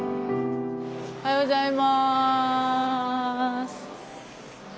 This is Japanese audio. おはようございます。